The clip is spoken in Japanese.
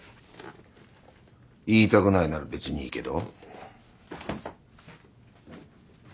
言いたくないなら別にいいけど。